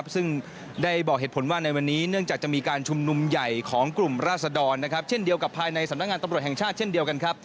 ซึ่งได้บอกเหตุผลว่าในวันนี้เนื่องจากจะมีการชุมนุมใหญ่ของกลุ่มราศดรเช่นเดียวกับภายในสำนักงานตำรวจแห่งชาติเช่นเดียวกันครับ